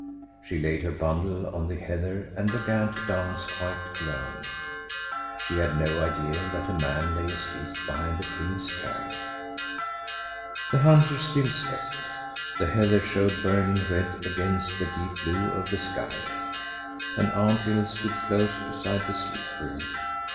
She laid her bundle on the heather and began to dance quite alone. She had no idea that a man lay asleep behind the king's cairn. The hunter still slept. The heather showed burning red against the deep blue of the sky. An anthill stood close beside the sleeper.